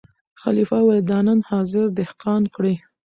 خلیفه ویل دا نن حاضر دهقان کړی